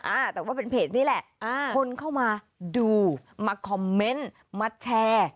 อ่าแต่ว่าเป็นเพจนี้แหละอ่าคนเข้ามาดูมาคอมเมนต์มาแชร์